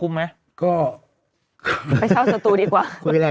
ภูมิไหมบ้านเป็นสตูเหรอภูมิไหม